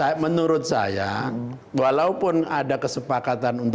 apa itu menurut saya tidak bagus di dalam kelompok yang disebut sebagai struktural itu